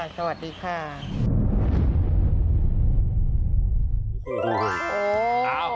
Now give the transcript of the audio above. สวัสดีค่ะ